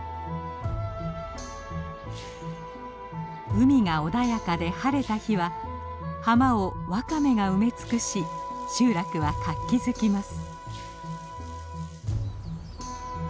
海が穏やかで晴れた日は浜をワカメが埋め尽くし集落は活気づきます。